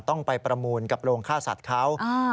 ต้องไปประมูลกับโรงฆ่าสัตว์เขา